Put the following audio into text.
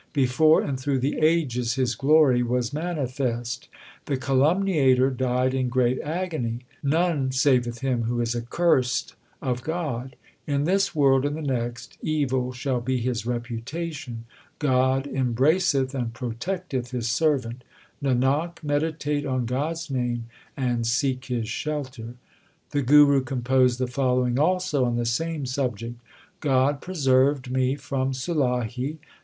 Before and through the ages His glory was manifest The calumniator died in great agony. None saveth him who is accursed of God : In this world and the next evil shall be his reputation. God embraceth and protecteth His servant : Nanak, meditate on God s name, and seek His shelter. The Guru composed the following also on the same subject : God preserved me from Sulahi.